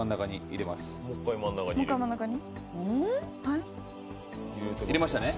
入れましたね？